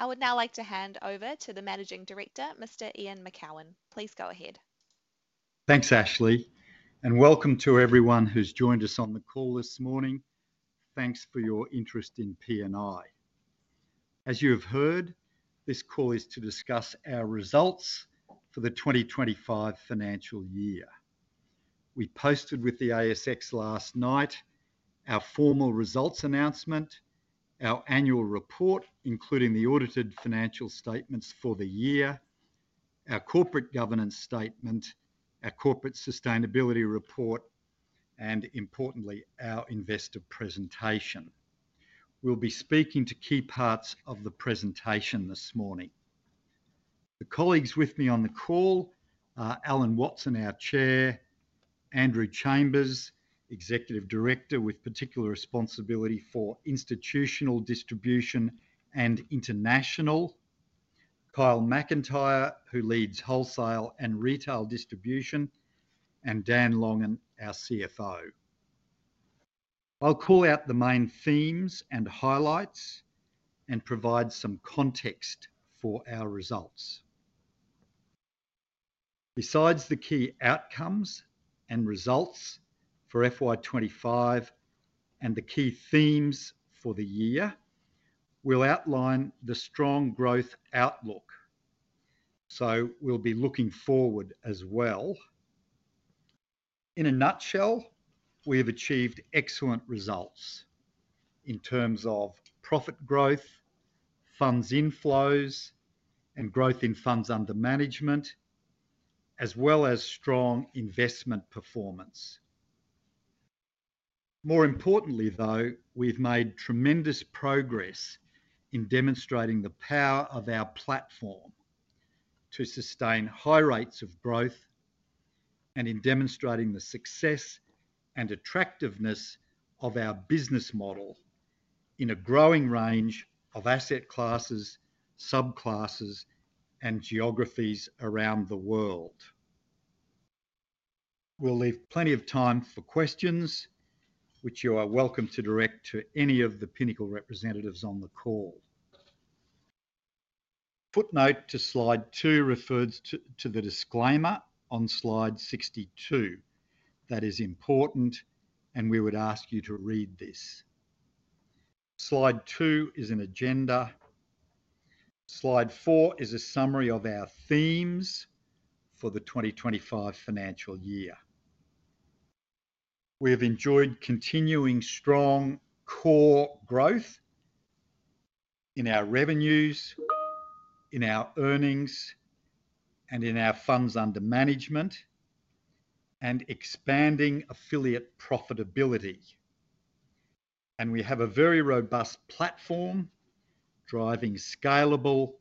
I would now like to hand over to the Managing Director, Mr. Ian Macoun. Please go ahead. Thanks, Ashley, and welcome to everyone who's joined us on the call this morning. Thanks for your interest in PNI. As you have heard, this call is to discuss our results for the 2025 financial year. We posted with the ASX last night our formal results announcement, our annual report, including the audited financial statements for the year, our corporate governance statement, our corporate sustainability report, and importantly, our investor presentation. We'll be speaking to key parts of the presentation this morning. The colleagues with me on the call are Alan Watson, our Chair, Andrew Chambers, Executive Director with particular responsibility for Institutional Distribution and International, Kyle Macintyre, who leads Wholesale and Retail Distribution, and Dan Longan, our CFO. I'll call out the main themes and highlights and provide some context for our results. Besides the key outcomes and results for FY 2025 and the key themes for the year, we'll outline the strong growth outlook. We'll be looking forward as well. In a nutshell, we have achieved excellent results in terms of profit growth, funds inflows, and growth in funds under management, as well as strong investment performance. More importantly, though, we've made tremendous progress in demonstrating the power of our platform to sustain high rates of growth and in demonstrating the success and attractiveness of our business model in a growing range of asset classes, subclasses, and geographies around the world. We'll leave plenty of time for questions, which you are welcome to direct to any of the Pinnacle representatives on the call. Footnote to slide two refers to the disclaimer on slide 62. That is important, and we would ask you to read this. Slide two is an agenda. Slide four is a summary of our themes for the 2025 financial year. We have enjoyed continuing strong core growth in our revenues, in our earnings, and in our funds under management, and expanding affiliate profitability. We have a very robust platform driving scalable,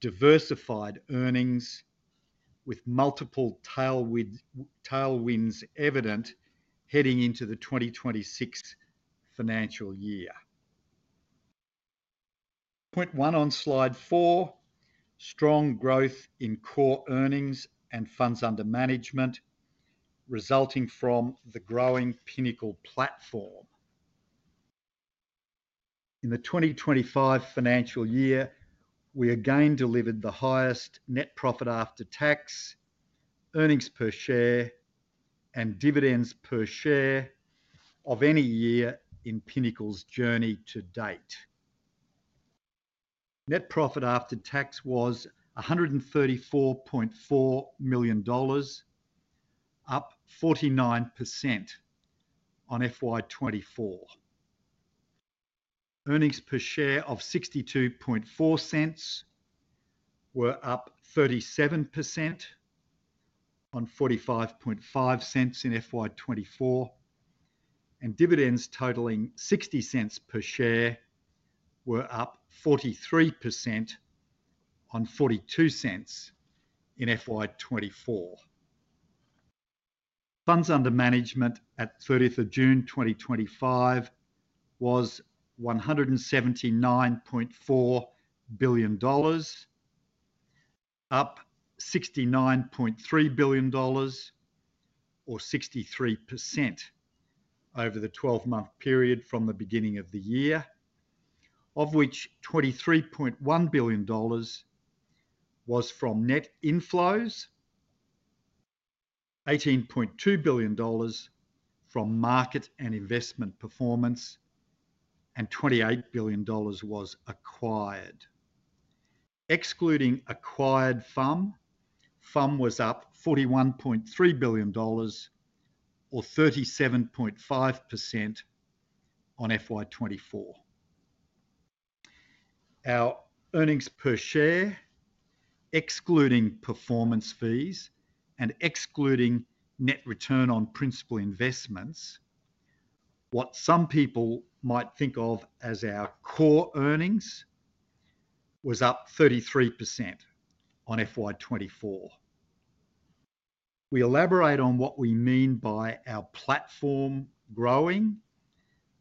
diversified earnings with multiple tailwinds evident heading into the 2026 financial year. Point one on slide four: strong growth in core earnings and funds under management resulting from the growing Pinnacle platform. In the 2025 financial year, we again delivered the highest net profit after tax, earnings per share, and dividends per share of any year in Pinnacle's journey to date. Net profit after tax was $134.4 million, up 49% on FY 2024. Earnings per share of $62.04 were up 37% on $45.05 in FY 2024, and dividends totaling $0.60 per share were up 43% on $0.42 in FY 2024. Funds under management at June 30th, 2025, was $179.4 billion, up $69.3 billion or 63% over the 12-month period from the beginning of the year, of which $23.1 billion was from net inflows, $18.2 billion from market and investment performance, and $28 billion was acquired. Excluding acquired FUM, FUM was up $41.3 billion or 37.5% on FY 2024. Our earnings per share, excluding performance fees and excluding net return on principal investments, what some people might think of as our core earnings, was up 33% on FY 2024. We elaborate on what we mean by our platform growing,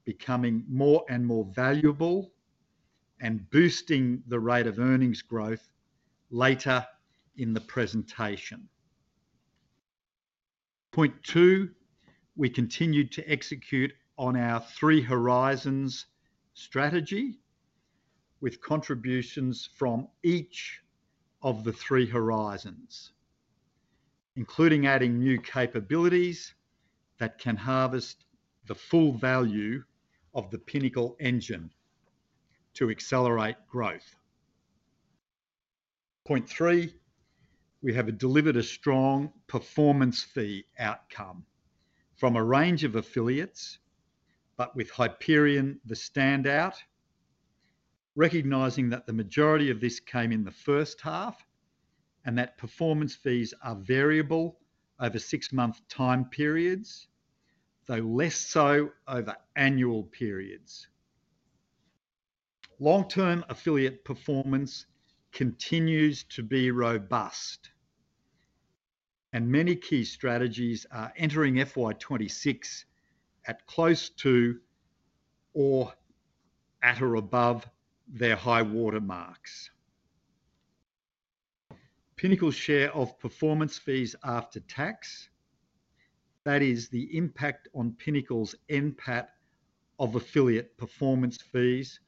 becoming more and more valuable, and boosting the rate of earnings growth later in the presentation. Point two: we continued to execute on our three horizons strategy with contributions from each of the three horizons, including adding new capabilities that can harvest the full value of the Pinnacle engine to accelerate growth. Point three: we have delivered a strong performance fee outcome from a range of affiliates, but with Hyperion the standout, recognizing that the majority of this came in the first half and that performance fees are variable over six-month time periods, though less so over annual periods. Long-term affiliate performance continues to be robust, and many key strategies are entering FY 2026 at close to or at or above their high watermarks. Pinnacle's share of performance fees after tax, that is, the impact on Pinnacle's NPAT of affiliate performance fees,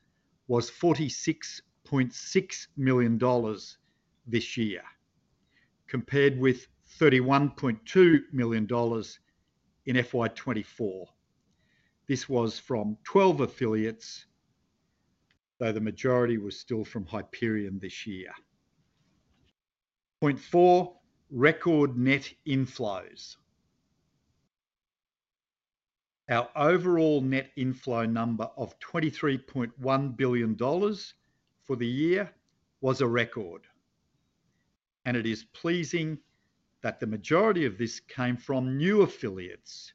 was $46.6 million this year compared with $31.2 million in FY 2024. This was from 12 affiliates, though the majority was still from Hyperion this year. Point four: record net inflows. Our overall net inflow number of $23.1 billion for the year was a record, and it is pleasing that the majority of this came from new affiliates: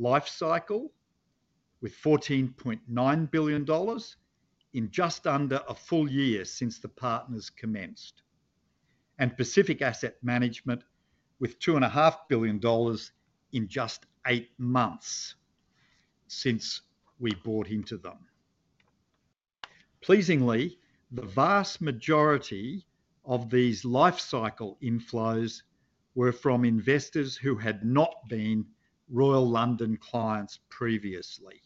Lifecycle with $14.9 billion in just under a full year since the partners commenced, and Pacific Asset Management with $2.5 billion in just eight months since we bought into them. Pleasingly, the vast majority of these Lifecycle inflows were from investors who had not been Royal London clients previously.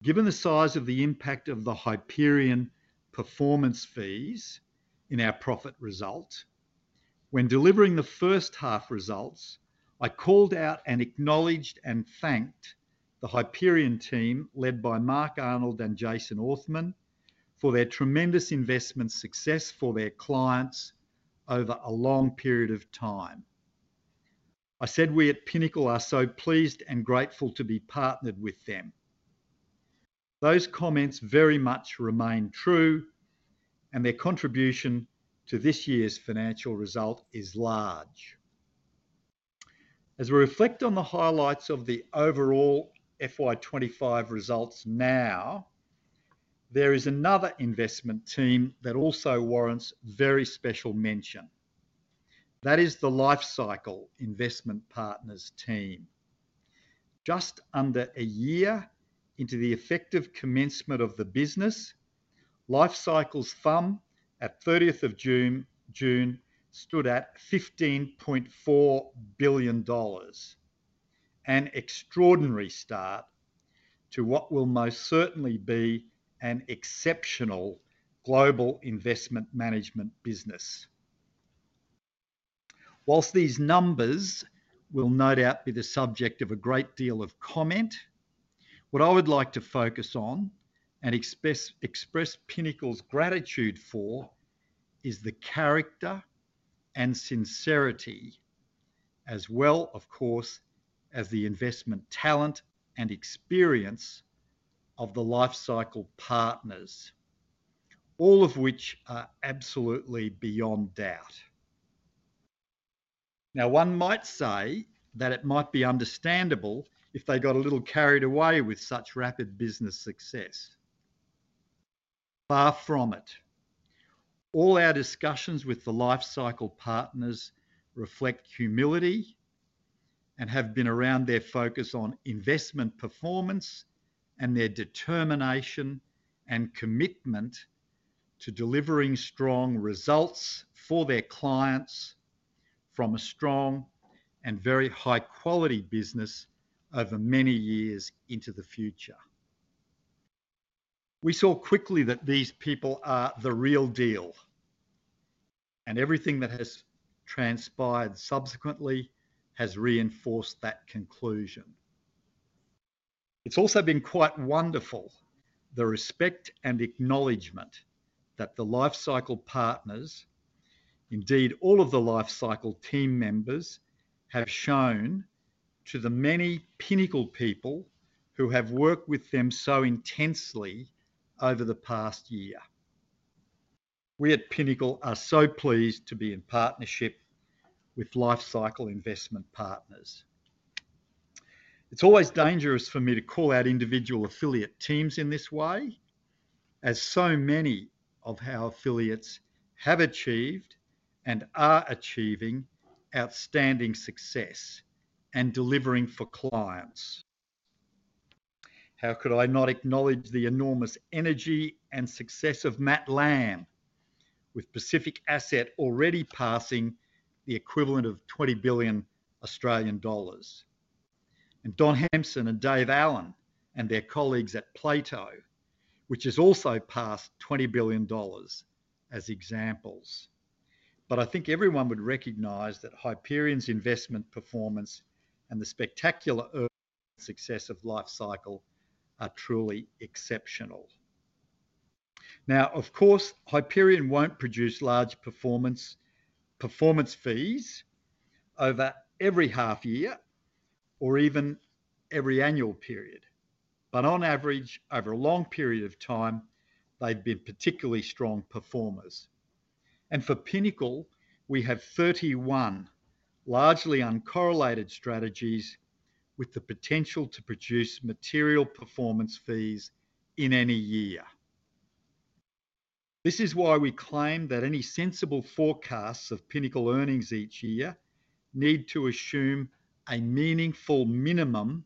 Given the size of the impact of the Hyperion performance fees in our profit result, when delivering the first half results, I called out and acknowledged and thanked the Hyperion team led by Mark Arnold and Jason Orthman for their tremendous investment success for their clients over a long period of time. I said we at Pinnacle are so pleased and grateful to be partnered with them. Those comments very much remain true, and their contribution to this year's financial result is large. As we reflect on the highlights of the overall FY 2025 results now, there is another investment team that also warrants very special mention. That is the Lifecycle Investment Partners team. Just under a year into the effective commencement of the business, Lifecycle's FUM at June 30 stood at $15.4 billion, an extraordinary start to what will most certainly be an exceptional global investment management business. Whilst these numbers will no doubt be the subject of a great deal of comment, what I would like to focus on and express Pinnacle's gratitude for is the character and sincerity, as well, of course, as the investment talent and experience of the Lifecycle partners, all of which are absolutely beyond doubt. Now, one might say that it might be understandable if they got a little carried away with such rapid business success. Far from it. All our discussions with the Lifecycle partners reflect humility and have been around their focus on investment performance and their determination and commitment to delivering strong results for their clients from a strong and very high-quality business over many years into the future. We saw quickly that these people are the real deal, and everything that has transpired subsequently has reinforced that conclusion. It's also been quite wonderful the respect and acknowledgment that the Lifecycle partners, indeed all of the Lifecycle team members, have shown to the many Pinnacle people who have worked with them so intensely over the past year. We at Pinnacle are so pleased to be in partnership with Lifecycle Investment Partners. It's always dangerous for me to call out individual affiliate teams in this way, as so many of our affiliates have achieved and are achieving outstanding success and delivering for clients. How could I not acknowledge the enormous energy and success of Matt Lamb with Pacific Asset already passing the equivalent of $20 billion? Don Hampson and Dave Allen and their colleagues at Plato, which has also passed $20 billion as examples. I think everyone would recognize that Hyperion's investment performance and the spectacular earnings and success of Lifecycle are truly exceptional. Of course, Hyperion won't produce large performance fees over every half year or even every annual period. On average, over a long period of time, they've been particularly strong performers. For Pinnacle, we have 31 largely uncorrelated strategies with the potential to produce material performance fees in any year. This is why we claim that any sensible forecasts of Pinnacle earnings each year need to assume a meaningful minimum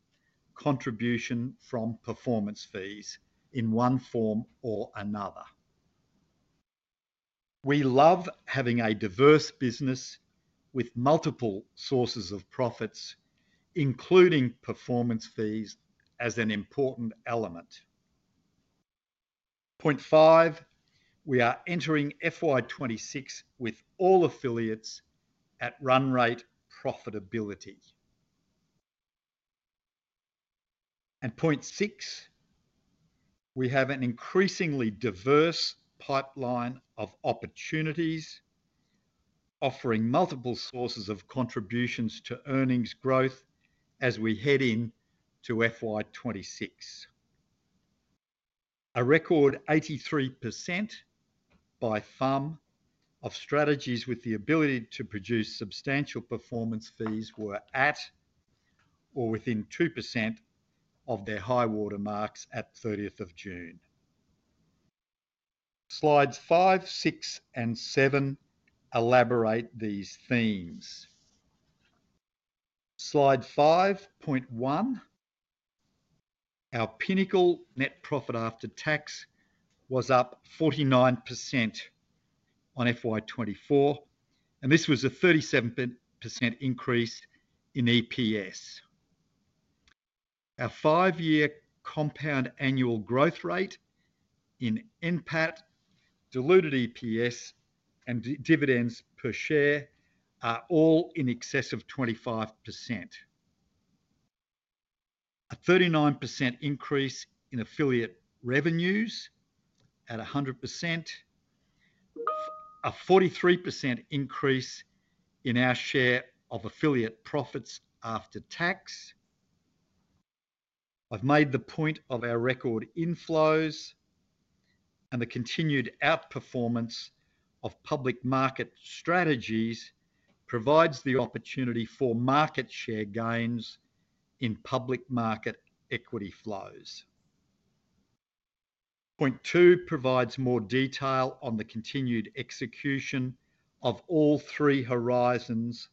contribution from performance fees in one form or another. We love having a diverse business with multiple sources of profits, including performance fees as an important element. Point five: we are entering FY 2026 with all affiliates at run rate profitability. Point six, we have an increasingly diverse pipeline of opportunities offering multiple sources of contributions to earnings growth as we head into FY 2026. A record 83% by FUM of strategies with the ability to produce substantial performance fees were at or within 2% of their high watermarks at June 30. Slides five, six, and seven elaborate these themes. Slide five, point one: our Pinnacle net profit after tax was up 49% on FY 2024, and this was a 37% increase in EPS. Our five-year compound annual growth rate in NPAT, diluted EPS, and dividends per share are all in excess of 25%. A 39% increase in affiliate revenues at 100%, a 43% increase in our share of affiliate profits after tax. I've made the point of our record inflows, and the continued outperformance of public market strategies provides the opportunity for market share gains in public market equity flows. Point two provides more detail on the continued execution of all three horizons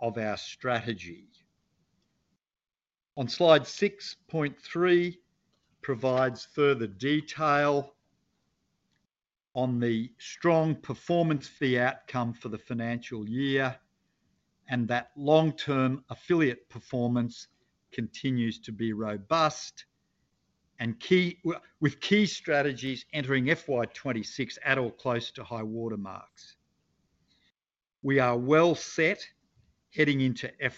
of our strategy. On slide six, point three provides further detail on the strong performance fee outcome for the financial year and that long-term affiliate performance continues to be robust with key strategies entering FY 2026 at or close to high watermarks. We are well set heading into FY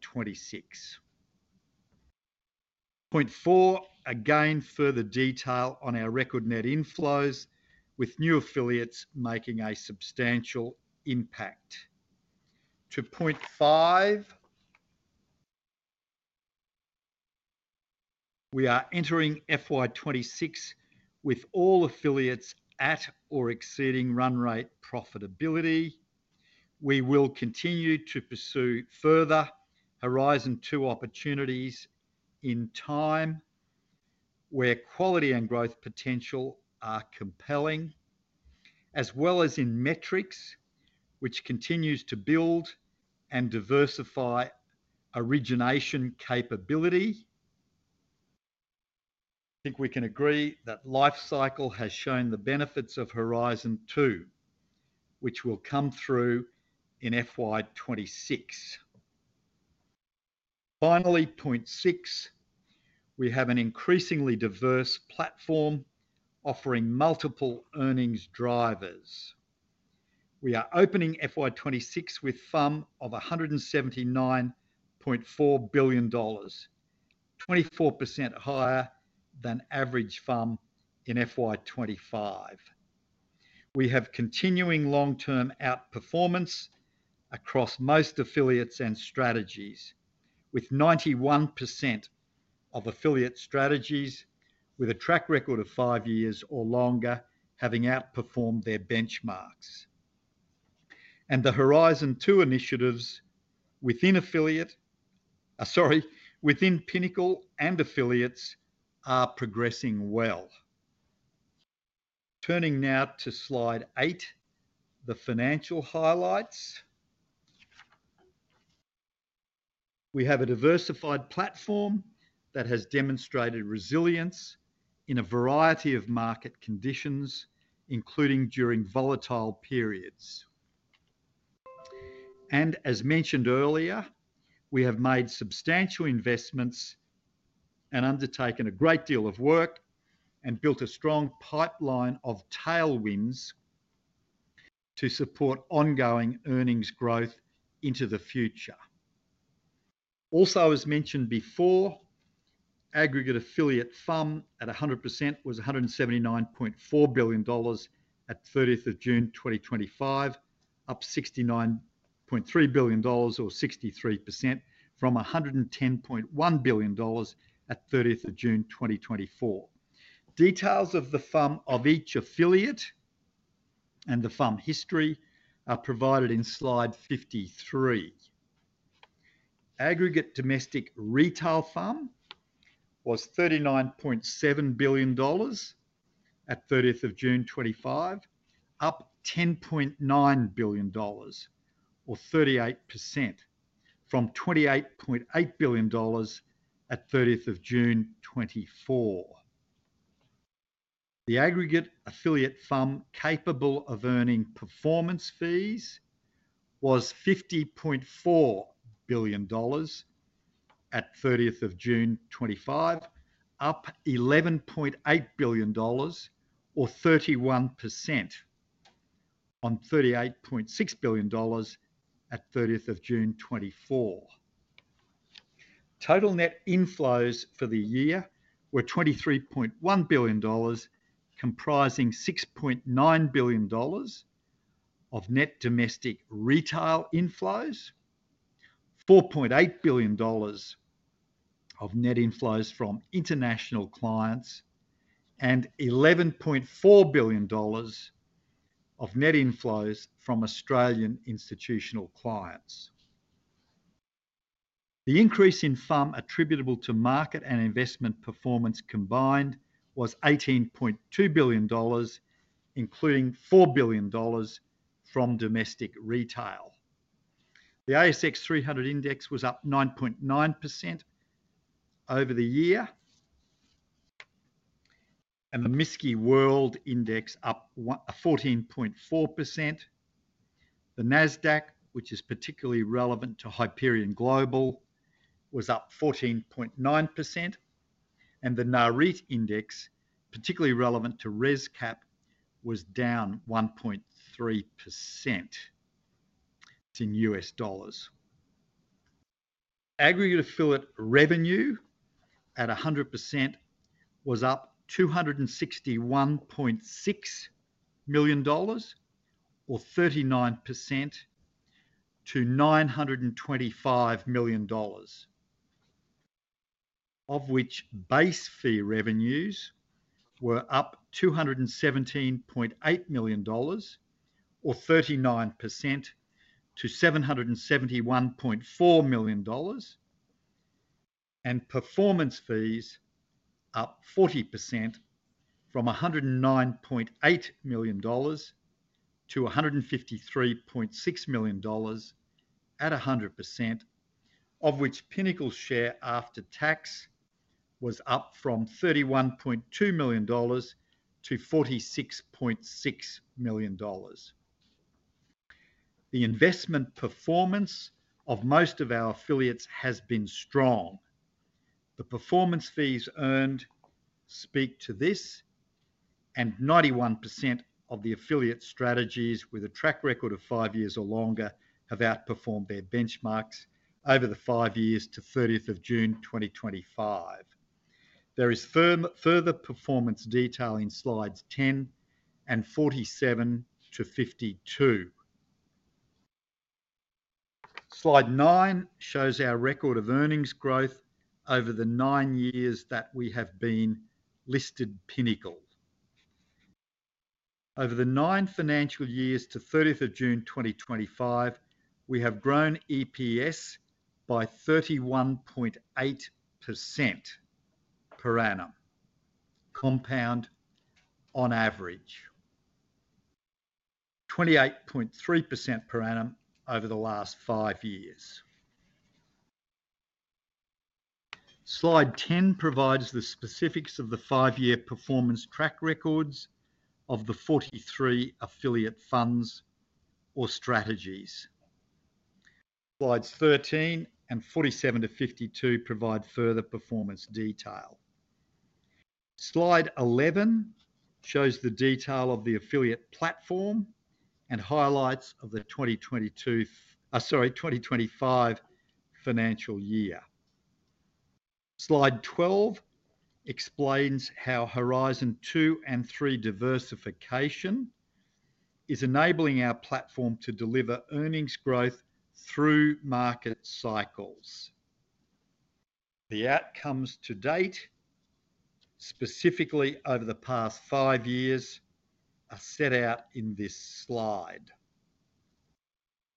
2026. Point four, again, further detail on our record net inflows with new affiliates making a substantial impact. To point five, we are entering FY 2026 with all affiliates at or exceeding run rate profitability. We will continue to pursue further horizon two opportunities in time where quality and growth potential are compelling, as well as in Metrics which continue to build and diversify origination capability. I think we can agree that Lifecycle has shown the benefits of horizon two, which will come through in FY 2026. Finally, point six, we have an increasingly diverse platform offering multiple earnings drivers. We are opening FY 2026 with FUM of $179.4 billion, 24% higher than average FUM in FY 2025. We have continuing long-term outperformance across most affiliates and strategies, with 91% of affiliate strategies with a track record of five years or longer having outperformed their benchmarks. The horizon two initiatives within Pinnacle and affiliates are progressing well. Turning now to slide eight, the financial highlights. We have a diversified platform that has demonstrated resilience in a variety of market conditions, including during volatile periods. As mentioned earlier, we have made substantial investments and undertaken a great deal of work and built a strong pipeline of tailwinds to support ongoing earnings growth into the future. Also, as mentioned before, aggregate affiliate FUM at 100% was $179.4 billion at 30th of June 2025, up $69.3 billion or 63% from $110.1 billion at 30th of June 2024. Details of the FUM of each affiliate and the FUM history are provided in slide 53. Aggregate domestic retail FUM was $39.7 billion at 30th of June 2025, up $10.9 billion or 38% from $28.8 billion at 30th of June 2024. The aggregate affiliate FUM capable of earning performance fees was $50.4 billion at 30th of June 2025, up $11.8 billion or 31% on $38.6 billion at 30th of June 2024. Total net inflows for the year were $23.1 billion, comprising $6.9 billion of net domestic retail inflows, $4.8 billion of net inflows from international clients, and $11.4 billion of net inflows from Australian institutional clients. The increase in FUM attributable to market and investment performance combined was $18.2 billion, including $4 billion from domestic retail. The ASX 300 Index was up 9.9% over the year, and the MSCI World Index up 14.4%. The NASDAQ, which is particularly relevant to Hyperion Global, was up 14.9%, and the NAREIT Index, particularly relevant to RESCAP, was down 1.3% in U.S. dollars. Aggregate affiliate revenue at 100% was up $261.6 million or 39% to $925 million, of which base fee revenues were up $217.8 million or 39% to $771.4 million, and performance fees up 40% from $109.8 million to $153.6 million at 100%, of which Pinnacle's share after tax was up from $31.2 million to $46.6 million. The investment performance of most of our affiliates has been strong. The performance fees earned speak to this, and 91% of the affiliate strategies with a track record of five years or longer have outperformed their benchmarks over the five years to 30th of June 2025. There is further performance detail in slides 10 and 47 to 52. Slide nine shows our record of earnings growth over the nine years that we have been listed Pinnacle. Over the nine financial years to 30th of June 2025, we have grown EPS by 31.8% per annum, compound on average, 28.3% per annum over the last five years. Slide 10 provides the specifics of the five-year performance track records of the 43 affiliate funds or strategies. Slides 13 and 47 to 52 provide further performance detail. Slide 11 shows the detail of the affiliate platform and highlights of the 2022, I'm sorry, 2025 financial year. Slide 12 explains how horizon two and three diversification is enabling our platform to deliver earnings growth through market cycles. The outcomes to date, specifically over the past five years, are set out in this slide.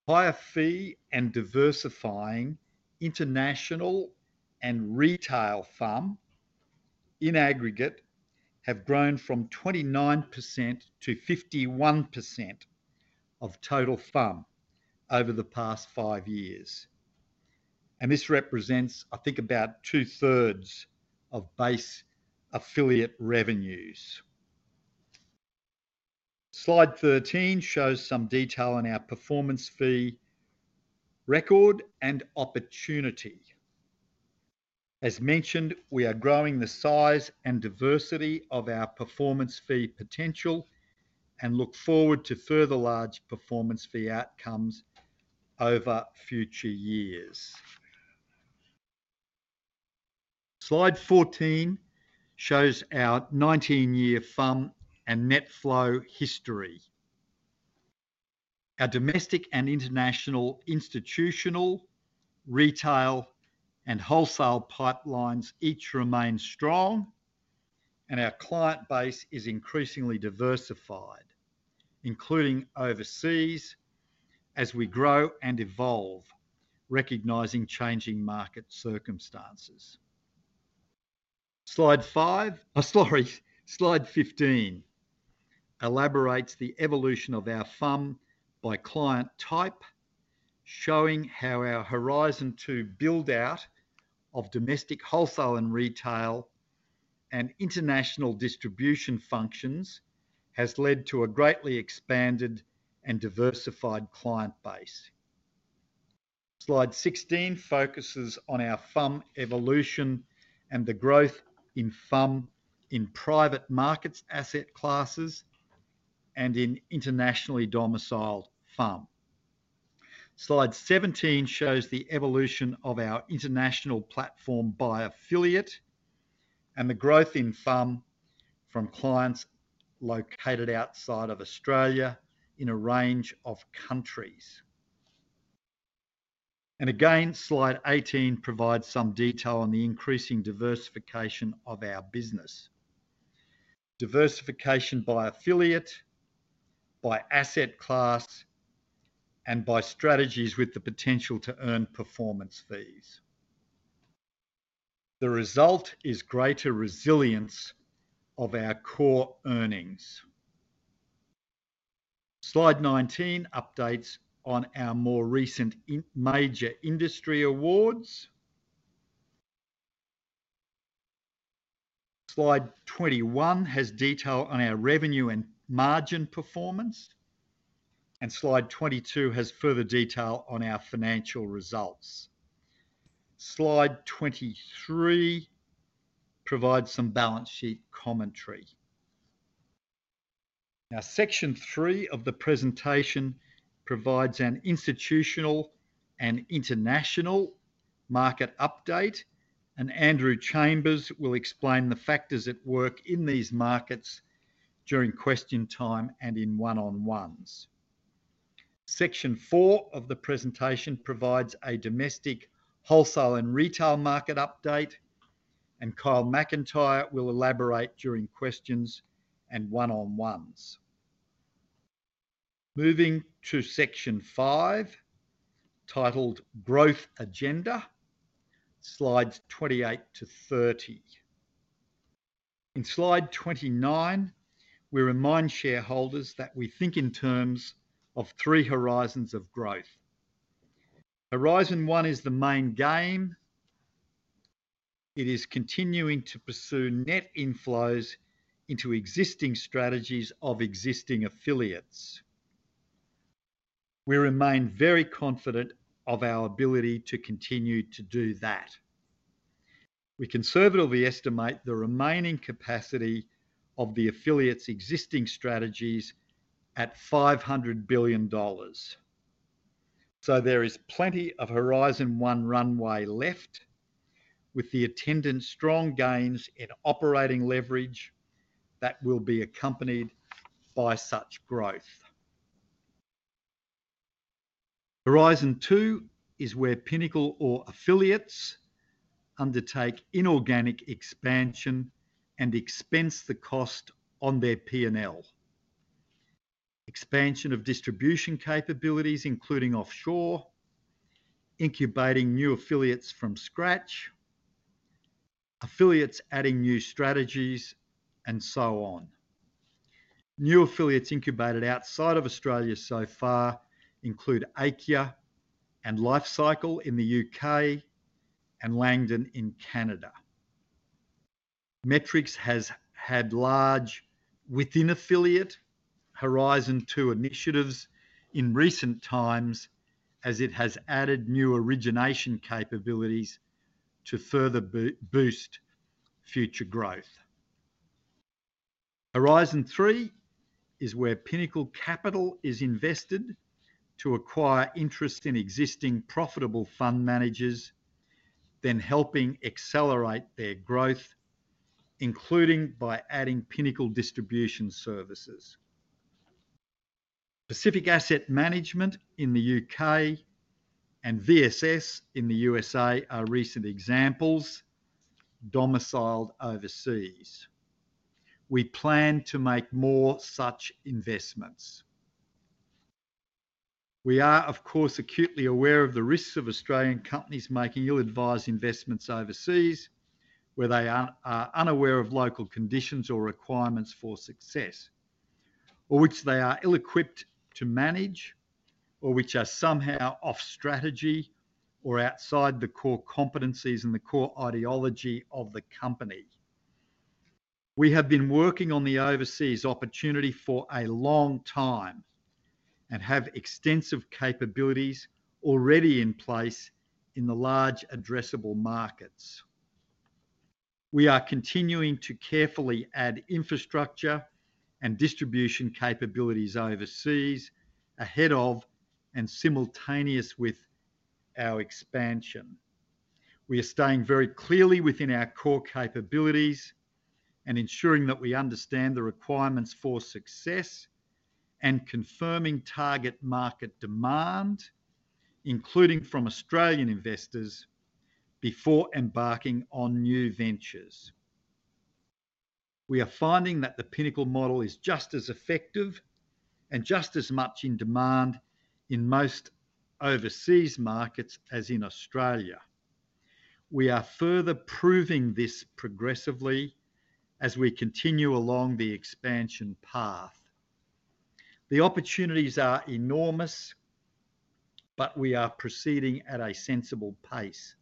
Higher fee and diversifying international and retail FUM in aggregate have grown from 29% to 51% of total FUM over the past five years. This represents, I think, about two-thirds of base affiliate revenues. Slide 13 shows some detail on our performance fee record and opportunity. As mentioned, we are growing the size and diversity of our performance fee potential and look forward to further large performance fee outcomes over future years. Slide 14 shows our 19-year FUM and net flow history. Our domestic and international institutional, retail, and wholesale pipelines each remain strong, and our client base is increasingly diversified, including overseas, as we grow and evolve, recognizing changing market circumstances. Slide 15 elaborates the evolution of our FUM by client type, showing how our horizon two build-out of domestic wholesale and retail and international distribution functions has led to a greatly expanded and diversified client base. Slide 16 focuses on our FUM evolution and the growth in FUM in private markets, asset classes, and in internationally domiciled FUM. Slide 17 shows the evolution of our international platform by affiliate and the growth in FUM from clients located outside of Australia in a range of countries. Slide 18 provides some detail on the increasing diversification of our business. Diversification by affiliate, by asset class, and by strategies with the potential to earn performance fees. The result is greater resilience of our core earnings. Slide 19 updates on our more recent major industry awards. Slide 21 has detail on our revenue and margin performance, and slide 22 has further detail on our financial results. Slide 23 provides some balance sheet commentary. Now, section three of the presentation provides an institutional and international market update, and Andrew Chambers will explain the factors at work in these markets during question time and in one-on-ones. Section four of the presentation provides a domestic wholesale and retail market update, and Kyle Macintyre will elaborate during questions and one-on-ones. Moving to section five, titled Growth Agenda, slides 28 to 30. In slide 29, we remind shareholders that we think in terms of three horizons of growth. Horizon one is the main game. It is continuing to pursue net inflows into existing strategies of existing affiliates. We remain very confident of our ability to continue to do that. We conservatively estimate the remaining capacity of the affiliates' existing strategies at $500 billion. There is plenty of horizon one runway left with the attendance, strong gains, and operating leverage that will be accompanied by such growth. Horizon two is where Pinnacle or affiliates undertake inorganic expansion and expense the cost on their P&L. Expansion of distribution capabilities, including offshore, incubating new affiliates from scratch, affiliates adding new strategies, and so on. New affiliates incubated outside of Australia so far include Acya and Lifecycle in the U.K. and Langdon in Canada. Metrics has had large within affiliate horizon two initiatives in recent times as it has added new origination capabilities to further boost future growth. Horizon three is where Pinnacle capital is invested to acquire interest in existing profitable fund managers, then helping accelerate their growth, including by adding Pinnacle distribution services. Pacific Asset Management in the U.K. and VSS in the USA are recent examples domiciled overseas. We plan to make more such investments. We are, of course, acutely aware of the risks of Australian companies making ill-advised investments overseas where they are unaware of local conditions or requirements for success, or which they are ill-equipped to manage, or which are somehow off-strategy or outside the core competencies and the core ideology of the company. We have been working on the overseas opportunity for a long time and have extensive capabilities already in place in the large addressable markets. We are continuing to carefully add infrastructure and distribution capabilities overseas ahead of and simultaneous with our expansion. We are staying very clearly within our core capabilities and ensuring that we understand the requirements for success and confirming target market demand, including from Australian investors, before embarking on new ventures. We are finding that the Pinnacle model is just as effective and just as much in demand in most overseas markets as in Australia. We are further proving this progressively as we continue along the expansion path. The opportunities are enormous, but we are proceeding at a sensible pace,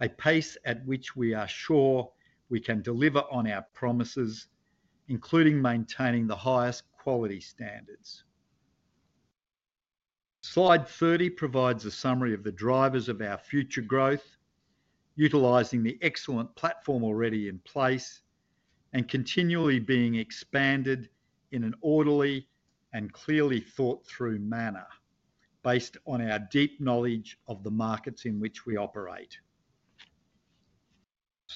a pace at which we are sure we can deliver on our promises, including maintaining the highest quality standards. Slide 30 provides a summary of the drivers of our future growth, utilizing the excellent platform already in place and continually being expanded in an orderly and clearly thought-through manner based on our deep knowledge of the markets in which we operate.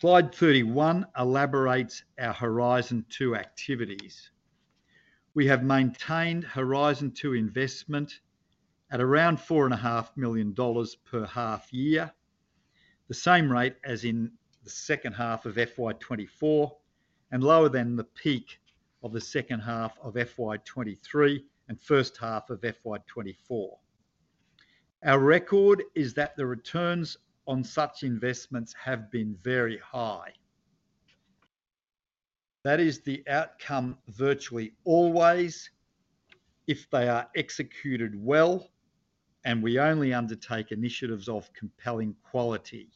Slide 31 elaborates our horizon two activities. We have maintained horizon two investment at around $4.5 million per half year, the same rate as in the second half of FY 2024 and lower than the peak of the second half of FY 2023 and first half of FY 2024. Our record is that the returns on such investments have been very high. That is the outcome virtually always if they are executed well and we only undertake initiatives of compelling quality.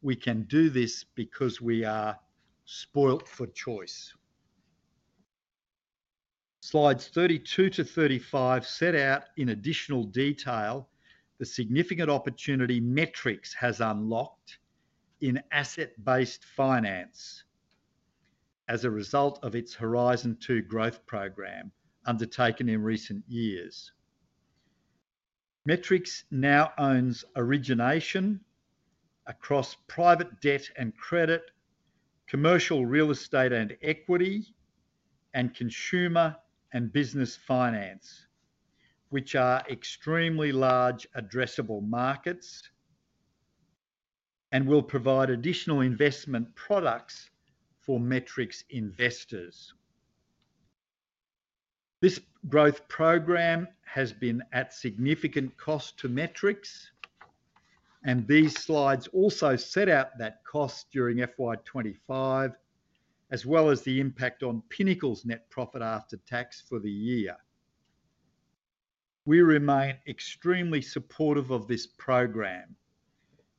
We can do this because we are spoilt for choice. Slides 32 to 35 set out in additional detail the significant opportunity Metrics has unlocked in asset-based finance as a result of its horizon two growth program undertaken in recent years. Metrics now owns origination across private debt and credit, commercial real estate and equity, and consumer and business finance, which are extremely large addressable markets and will provide additional investment products for Metrics investors. This growth program has been at significant cost to Metrics, and these slides also set out that cost during FY 2025, as well as the impact on Pinnacle's net profit after tax for the year. We remain extremely supportive of this program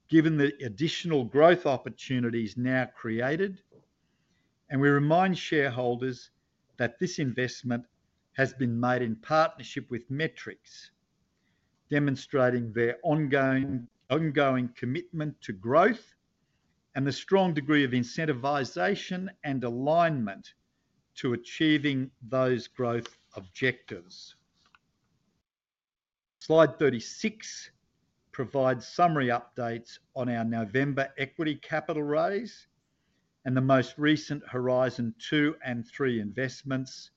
given the additional growth opportunities now created, and we remind shareholders that this investment has been made in partnership with Metrics, demonstrating their ongoing commitment to growth and the strong degree of incentivization and alignment to achieving those growth objectives. Slide 36 provides summary updates on our November equity capital raise and the most recent horizon two and three investments: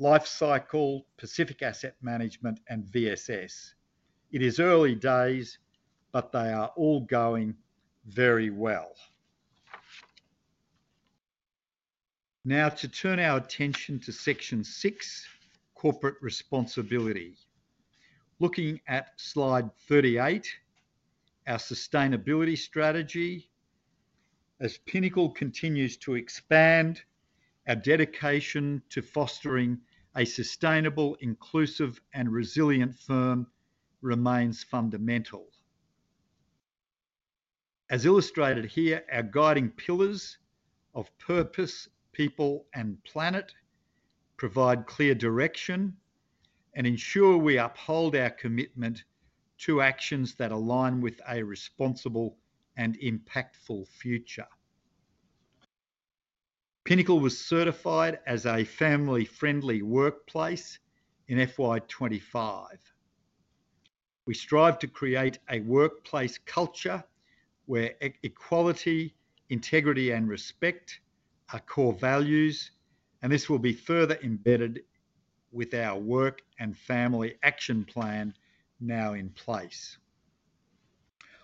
Lifecycle, Pacific Asset Management, and VSS. It is early days, but they are all going very well. Now, to turn our attention to section six, corporate responsibility. Looking at slide 38, our sustainability strategy, as Pinnacle continues to expand, our dedication to fostering a sustainable, inclusive, and resilient firm remains fundamental. As illustrated here, our guiding pillars of purpose, people, and planet provide clear direction and ensure we uphold our commitment to actions that align with a responsible and impactful future. Pinnacle was certified as a family-friendly workplace in FY 2025. We strive to create a workplace culture where equality, integrity, and respect are core values, and this will be further embedded with our work and family action plan now in place.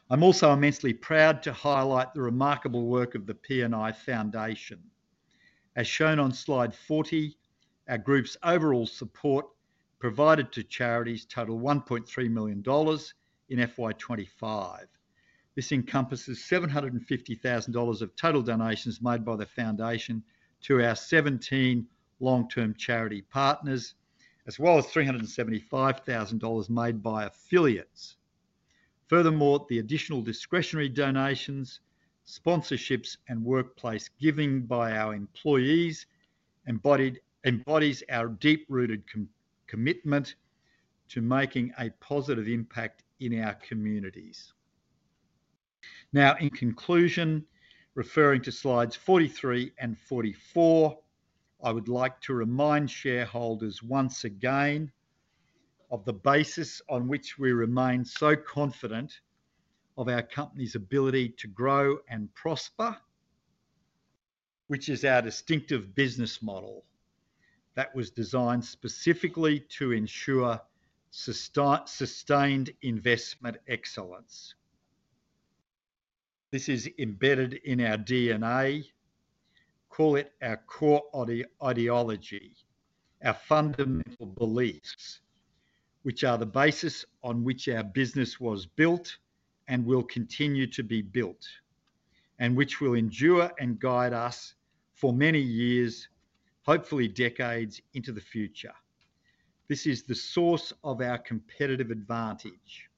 I'm also immensely proud to highlight the remarkable work of the P&I Foundation. As shown on slide 40, our group's overall support provided to charities totaled $1.3 million in FY 2025. This encompasses $750,000 of total donations made by the foundation to our 17 long-term charity partners, as well as $375,000 made by affiliates. Furthermore, the additional discretionary donations, sponsorships, and workplace giving by our employees embodies our deep-rooted commitment to making a positive impact in our communities. Now, in conclusion, referring to slides 43 and 44, I would like to remind shareholders once again of the basis on which we remain so confident of our company's ability to grow and prosper, which is our distinctive business model that was designed specifically to ensure sustained investment excellence. This is embedded in our DNA. Call it our core ideology, our fundamental beliefs, which are the basis on which our business was built and will continue to be built, and which will endure and guide us for many years, hopefully decades into the future. This is the source of our competitive advantage.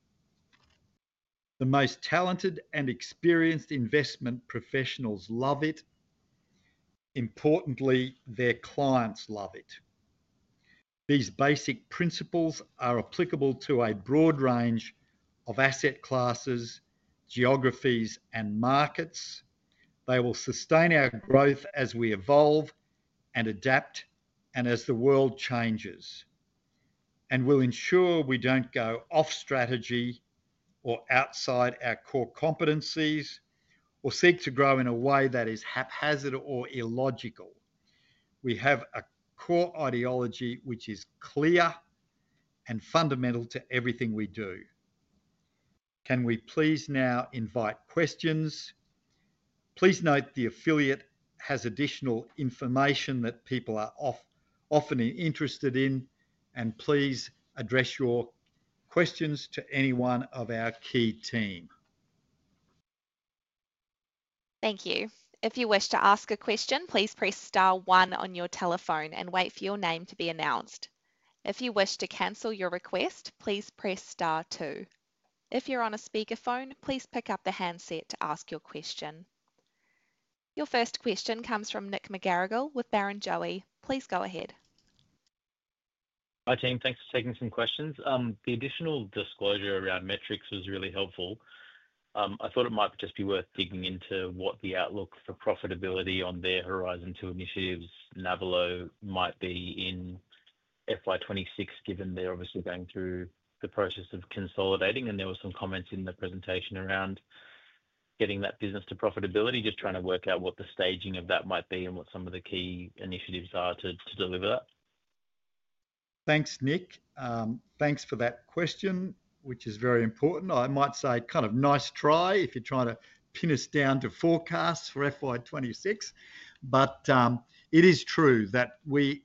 The most talented and experienced investment professionals love it. Importantly, their clients love it. These basic principles are applicable to a broad range of asset classes, geographies, and markets. They will sustain our growth as we evolve and adapt, and as the world changes, and will ensure we don't go off-strategy or outside our core competencies or seek to grow in a way that is haphazard or illogical. We have a core ideology which is clear and fundamental to everything we do. Can we please now invite questions? Please note the affiliate has additional information that people are often interested in, and please address your questions to anyone of our key team. Thank you. If you wish to ask a question, please press star one on your telephone and wait for your name to be announced. If you wish to cancel your request, please press star two. If you're on a speakerphone, please pick up the handset to ask your question. Your first question comes from Nick McGarrigle with Baron Joey. Please go ahead. Hi, team. Thanks for taking some questions. The additional disclosure around Metrics was really helpful. I thought it might just be worth digging into what the outlook for profitability on their horizon two initiative, Navalo, might be in FY 2026, given they're obviously going through the process of consolidating. There were some comments in the presentation around getting that business to profitability, just trying to work out what the staging of that might be and what some of the key initiatives are to deliver that. Thanks, Nick. Thanks for that question, which is very important. I might say kind of nice try if you're trying to pin us down to forecasts for FY 2026, but it is true that we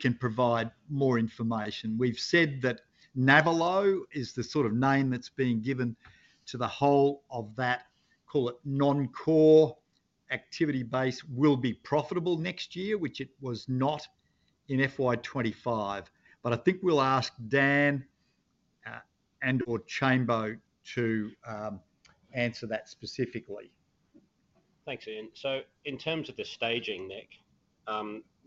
can provide more information. We've said that Navalo is the sort of name that's being given to the whole of that, call it non-core activity base, will be profitable next year, which it was not in FY 2025. I think we'll ask Dan and/or Chambo to answer that specifically. Thanks, Ian. In terms of the staging, Nick,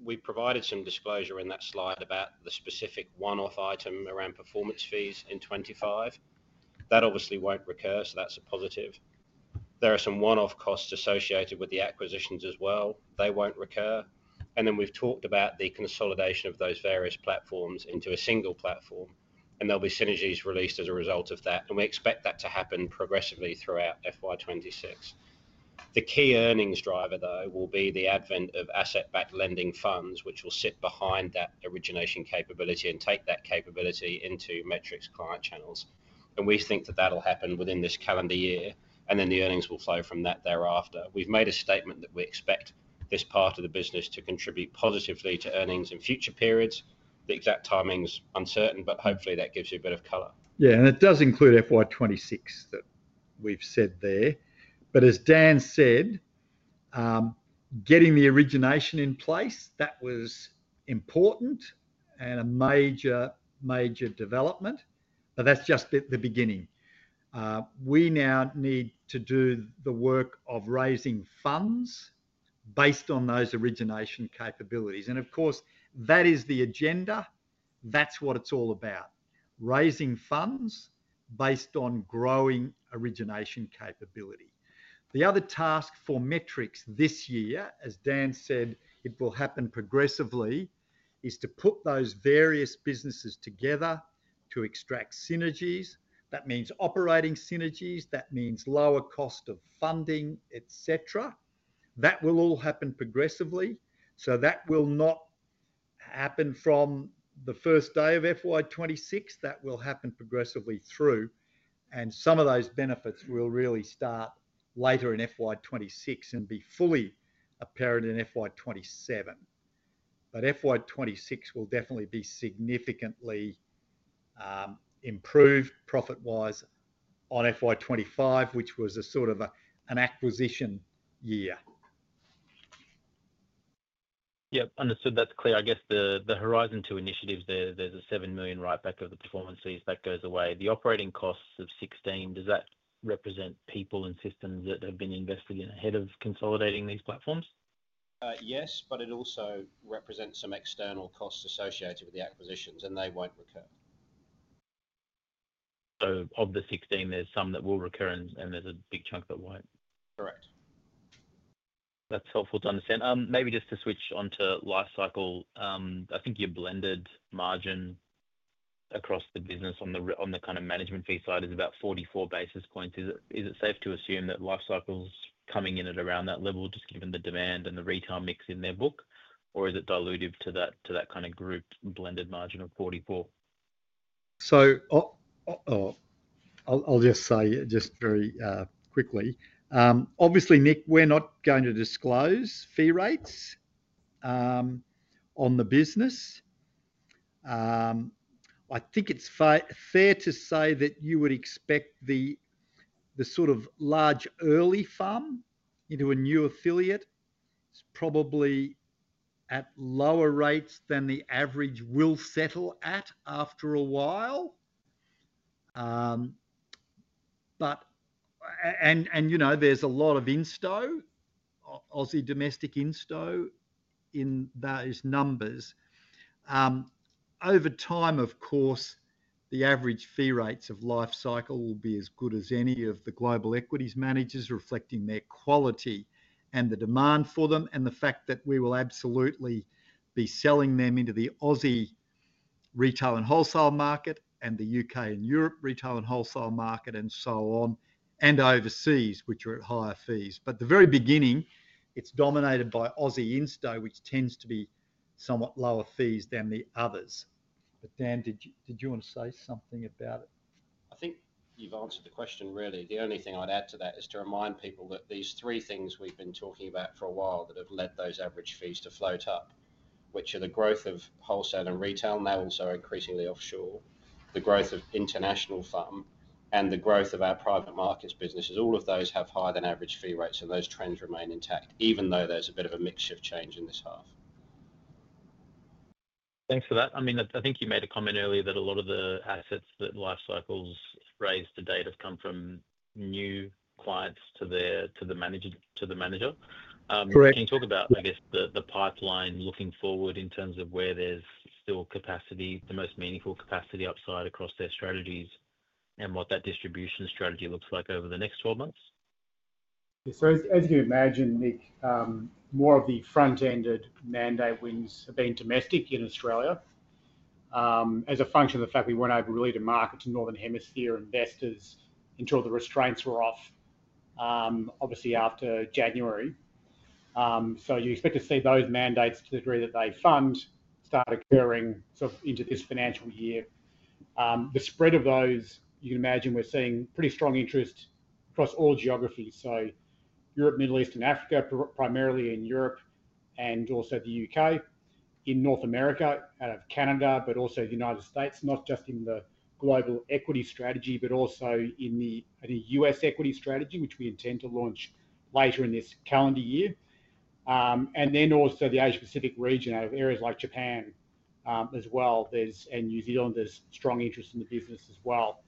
we provided some disclosure in that slide about the specific one-off item around performance fees in 2025. That obviously won't recur, so that's a positive. There are some one-off costs associated with the acquisitions as well. They won't recur. We have talked about the consolidation of those various platforms into a single platform, and there will be synergies released as a result of that. We expect that to happen progressively throughout FY 2026. The key earnings driver, though, will be the advent of asset-backed lending funds, which will sit behind that origination capability and take that capability into Metrics client channels. We think that will happen within this calendar year, and then the earnings will flow from that thereafter. We've made a statement that we expect this part of the business to contribute positively to earnings in future periods. The exact timing's uncertain, but hopefully that gives you a bit of color. Yeah, and it does include FY 2026 that we've said there. As Dan said, getting the origination in place, that was important and a major, major development, but that's just the beginning. We now need to do the work of raising funds based on those origination capabilities. Of course, that is the agenda. That's what it's all about, raising funds based on growing origination capability. The other task for Metrics this year, as Dan said, it will happen progressively, is to put those various businesses together to extract synergies. That means operating synergies. That means lower cost of funding, etc. That will all happen progressively. That will not happen from the first day of FY 2026. That will happen progressively through, and some of those benefits will really start later in FY 2026 and be fully apparent in FY 2027. FY 2026 will definitely be significantly improved profit-wise on FY 2025, which was a sort of an acquisition year. Yeah, understood. That's clear. I guess the horizon two initiatives there, there's a $7 million write-back of the performance fees that goes away. The operating costs of $16 million, does that represent people and systems that have been invested in ahead of consolidating these platforms? Yes, it also represents some external costs associated with the acquisitions, and they won't recur. Of the 16, there's some that will recur, and there's a big chunk that won't. Correct. That's helpful to understand. Maybe just to switch on to Lifecycle, I think your blended margin across the business on the kind of management fee side is about 44 basis points. Is it safe to assume that Lifecycle's coming in at around that level, just given the demand and the retail mix in their book, or is it diluted to that kind of group blended margin of 44? I'll just say it very quickly. Obviously, Nick, we're not going to disclose fee rates on the business. I think it's fair to say that you would expect the sort of large early funds under management into a new affiliate is probably at lower rates than the average will settle at after a while. You know, there's a lot of insto, obviously domestic insto, in those numbers. Over time, of course, the average fee rates of Lifecycle will be as good as any of the global equities managers, reflecting their quality and the demand for them, and the fact that we will absolutely be selling them into the Aussie retail and wholesale market and the U.K. and Europe retail and wholesale market and so on, and overseas, which are at higher fees. At the very beginning, it's dominated by Aussie insto, which tends to be somewhat lower fees than the others. Dan, did you want to say something about it? I think you've answered the question really. The only thing I'd add to that is to remind people that these three things we've been talking about for a while that have led those average fees to float up, which are the growth of wholesale and retail, and they're also increasingly offshore, the growth of international FUM, and the growth of our private markets businesses. All of those have higher than average fee rates, and those trends remain intact, even though there's a bit of a mixture of change in this half. Thanks for that. I mean, I think you made a comment earlier that a lot of the assets that Lifecycle's raised to date have come from new clients to the manager. Correct. Can you talk about the pipeline looking forward in terms of where there's still capacity, the most meaningful capacity upside across their strategies, and what that distribution strategy looks like over the next 12 months? Yeah, as you can imagine, Nick, more of the front-ended mandate wins have been domestic in Australia as a function of the fact we weren't really able to market to Northern Hemisphere investors until the restraints were off, obviously after January. You expect to see those mandates, to the degree that they fund, start occurring into this financial year. The spread of those, you can imagine, we're seeing pretty strong interest across all geographies. Europe, Middle East, and Africa, primarily in Europe, and also the U.K., in North America, out of Canada, but also the United States, not just in the global equity strategy, but also in the U.S. equity strategy, which we intend to launch later in this calendar year. The Asia-Pacific region out of areas like Japan as well, and New Zealand, there's strong interest in the business as well.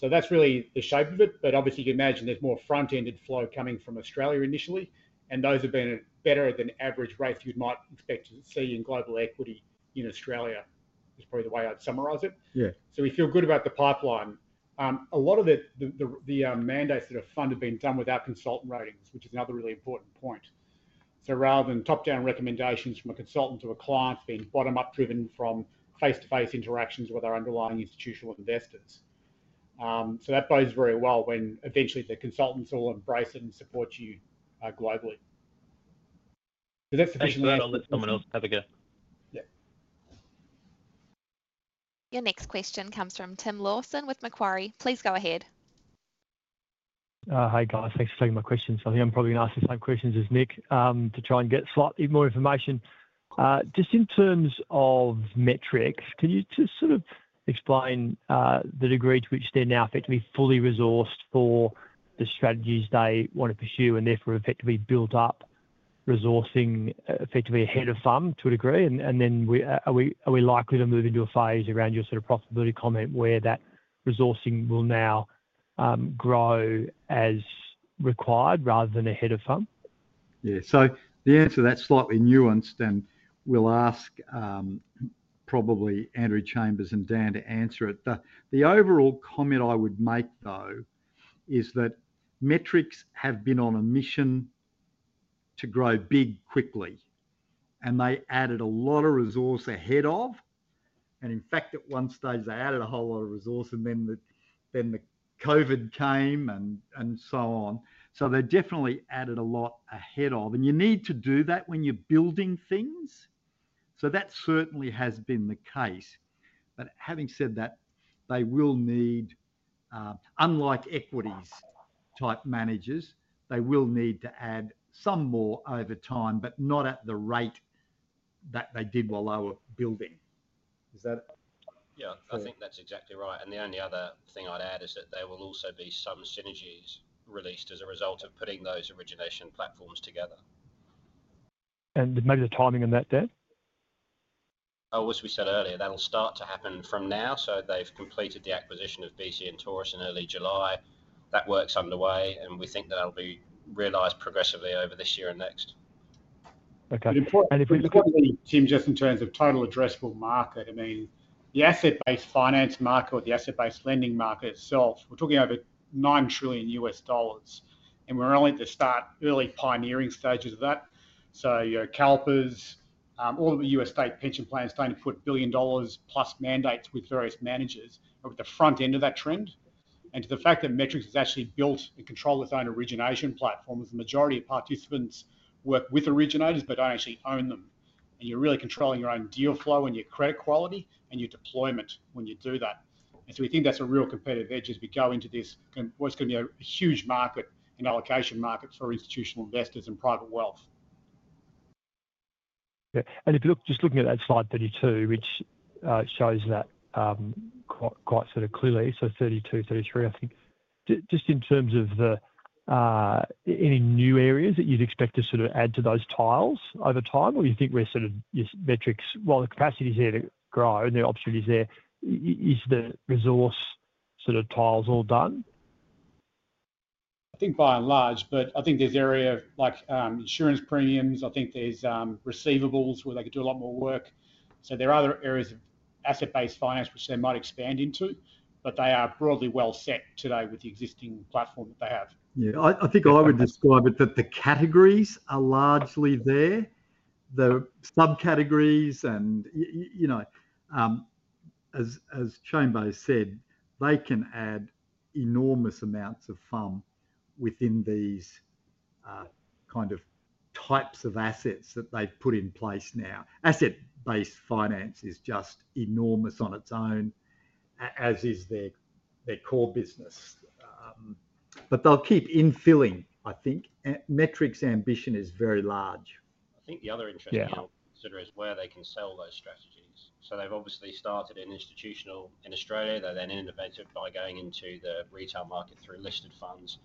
That's really the shape of it. Obviously, you can imagine there's more front-ended flow coming from Australia initially, and those have been better than average rates you'd expect to see in global equity in Australia, is probably the way I'd summarize it. Yeah. We feel good about the pipeline. A lot of the mandates that are funded have been done without consultant ratings, which is another really important point. Rather than top-down recommendations from a consultant to a client, it's been bottom-up driven from face-to-face interactions with our underlying institutional investors. That bodes very well when eventually the consultants all embrace it and support you globally. That's sufficiently. I'll let someone else have a go. Yeah. Your next question comes from Tim Lawson with Macquarie. Please go ahead. Hey, guys. Thanks for taking my questions. I think I'm probably going to ask the same questions as Nick to try and get slightly more information. Just in terms of Metrics, can you just sort of explain the degree to which they're now effectively fully resourced for the strategies they want to pursue and therefore effectively build up resourcing ahead of FUM to a degree? Are we likely to move into a phase around your profitability comment where that resourcing will now grow as required rather than ahead of FUM? Yeah, so the answer to that's slightly nuanced, and we'll ask probably Andrew Chambers and Dan to answer it. The overall comment I would make, though, is that Metrics have been on a mission to grow big quickly, and they added a lot of resource ahead of. In fact, at one stage, they added a whole lot of resource, and then the COVID came and so on. They definitely added a lot ahead of, and you need to do that when you're building things. That certainly has been the case. Having said that, they will need, unlike equities type managers, to add some more over time, but not at the rate that they did while they were building. Is that? I think that's exactly right. The only other thing I'd add is that there will also be some synergies released as a result of putting those origination platforms together. Maybe the timing on that, Dan? As we said earlier, that'll start to happen from now. They've completed the acquisition of BC and Taurus in early July. That work's underway, and we think that'll be realized progressively over this year and next. Okay. If we look at, Tim, just in terms of total addressable market, the asset-based finance market or the asset-based lending market itself, we're talking over $9 trillion U.S. dollars, and we're only at the start, early pioneering stages of that. CalPERS, all of the U.S. state pension plans starting to put billion dollars plus mandates with various managers are at the front end of that trend. The fact that Metrics is actually built and controlled with its own origination platforms, the majority of participants work with originators but don't actually own them. You're really controlling your own deal flow and your credit quality and your deployment when you do that. We think that's a real competitive edge as we go into this and what's going to be a huge market and allocation market for institutional investors and private wealth. If you look, just looking at that slide 32, which shows that quite sort of clearly, so 32, 33, just in terms of any new areas that you'd expect to add to those tiles over time, or do you think we're sort of, yes, Metrics, while the capacity's there to grow and the opportunity's there, is the resource tiles all done? I think by and large, but I think there's areas like insurance premiums. I think there's receivables where they could do a lot more work. There are other areas of asset-based finance which they might expand into, but they are broadly well set today with the existing platform that they have. I think I would describe it that the categories are largely there. There are subcategories, and you know, as Chambo said, they can add enormous amounts of FUM within these types of assets that they've put in place now. Asset-based finance is just enormous on its own, as is their core business. They'll keep infilling, I think. Metrics' ambition is very large. I think the other interesting thing I'll consider is where they can sell those strategies. They've obviously started in institutional in Australia. They then innovated by going into the retail market through listed funds,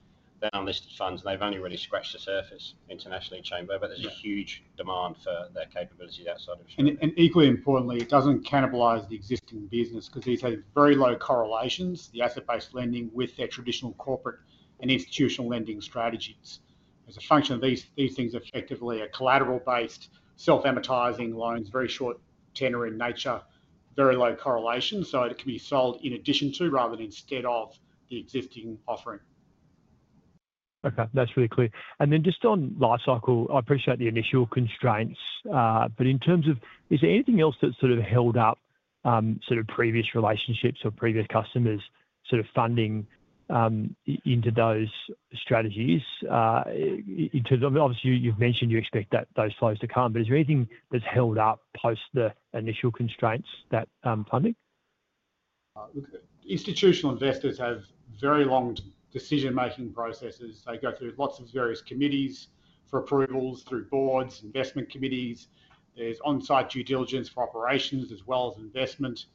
then unlisted funds, and they've only really scratched the surface internationally, Chambo, but there's a huge demand for their capabilities outside of Australia. Equally importantly, it doesn't cannibalize the existing business because these have very low correlations, the asset-based lending with their traditional corporate and institutional lending strategies. As a function of these, these things effectively are collateral-based, self-amortizing loans, very short tenor in nature, very low correlation. It can be sold in addition to rather than instead of the existing offering. That's really clear. Just on Lifecycle, I appreciate the initial constraints, but in terms of is there anything else that's sort of held up sort of previous relationships or previous customers sort of funding into those strategies? In terms of, obviously, you've mentioned you expect those flows to come, is there anything that's held up post the initial constraints that funding? Institutional investors have very long decision-making processes. They go through lots of various committees for approvals through boards, investment committees. There's onsite due diligence for operations as well as investment.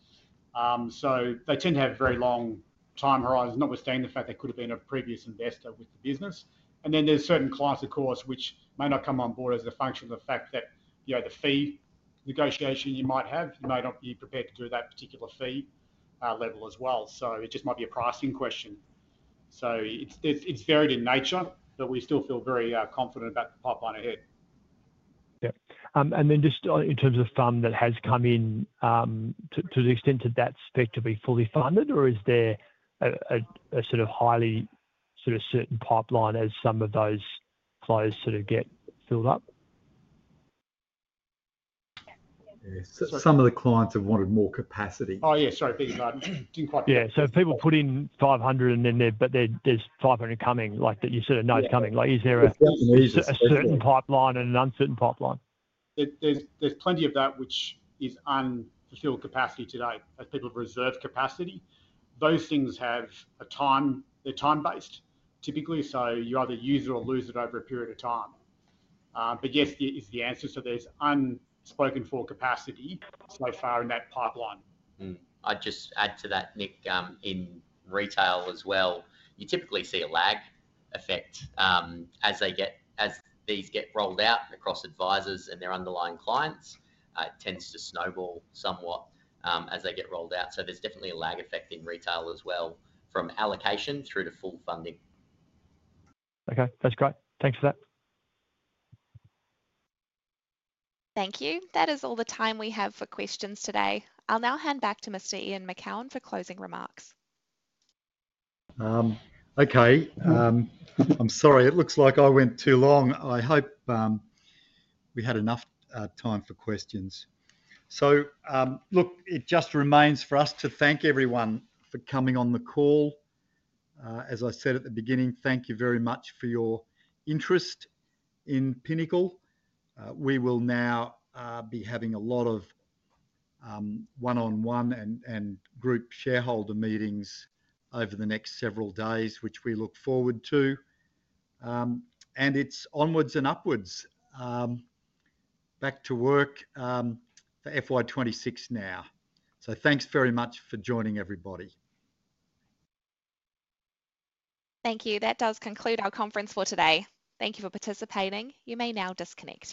They tend to have very long time horizons, notwithstanding the fact they could have been a previous investor with the business. There are certain clients, of course, which may not come on board as a function of the fact that the fee negotiation you might have, you may not be prepared to do that particular fee level as well. It just might be a pricing question. It's varied in nature, but we still feel very confident about the pipeline ahead. In terms of FUM that has come in, to the extent of that spec to be fully funded, or is there a sort of highly sort of certain pipeline as some of those flows sort of get filled up? Some of the clients have wanted more capacity. Thank you for that. Do you quite? People put in $500 and then they're, but there's $500 coming, like that you said a nose coming. Is there a certain pipeline and an uncertain pipeline? There's plenty of that which is unfulfilled capacity today as people have reserved capacity. Both things have a time, they're time-based typically, so you either use it or lose it over a period of time. Yes, is the answer. There's unspoken for capacity so far in that pipeline. I'd just add to that, Nick, in retail as well, you typically see a lag effect as these get rolled out across advisors and their underlying clients. It tends to snowball somewhat as they get rolled out. There's definitely a lag effect in retail as well from allocation through to full funding. Okay, that's great. Thanks for that. Thank you. That is all the time we have for questions today. I'll now hand back to Mr. Ian Macoun for closing remarks. Okay. I'm sorry, it looks like I went too long. I hope we had enough time for questions. It just remains for us to thank everyone for coming on the call. As I said at the beginning, thank you very much for your interest in Pinnacle Investment. We will now be having a lot of one-on-one and group shareholder meetings over the next several days, which we look forward to. It's onwards and upwards. Back to work for FY 2026 now. Thanks very much for joining everybody. Thank you. That does conclude our conference for today. Thank you for participating. You may now disconnect.